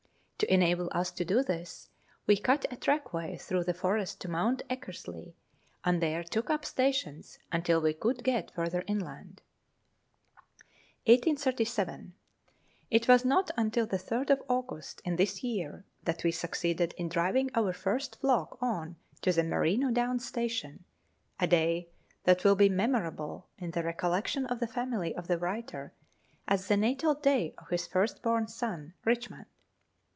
To enable us to do this, we cut a trackway through the forest to Mount Eckersley, and there took up stations until we could get further inland. 1837. It was not until the 3rd of August in this year that we succeeded in driving our first flock on to the Merino Downs Station a day that will be memorable in the recollection of the family of the writer as the natal day of his first born son, Richmond.